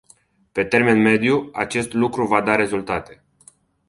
Pe termen mediu, acest lucru va da rezultate.